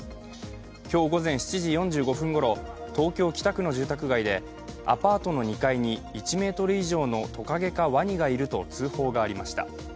今日午前７時４５分ごろ東京・北区の住宅街でアパートの２階に１ｍ以上のトカゲかワニがいると通報がありました。